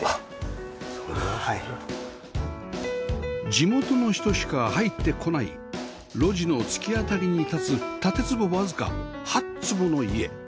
地元の人しか入って来ない路地の突き当たりに立つ建坪わずか８坪の家